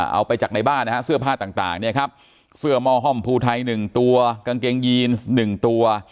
เอาไปจากในบ้านเสื้อผ้าต่างเสื้อม่อห่อมภูไทย๑ตัวกางเกงยีน๑ตัว